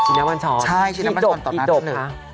ชิ้นแม่มันชอนที่ดบที่ดบคะใช่ชิ้นแม่มันชอนต่อหน้าได้เลย